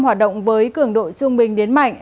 hoạt động với cường độ trung bình đến mạnh